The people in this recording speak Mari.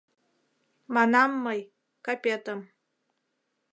Манам мый: капетым